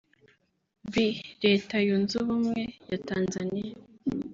b) Leta yunze Ubumwe ya Tanzaniya